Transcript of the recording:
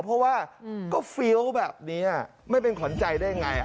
เพราะว่าก็เฟี้ยวแบบนี้ไม่เป็นขวัญใจได้ไง